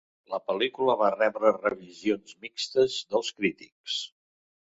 La pel·lícula va rebre revisions mixtes dels crítics.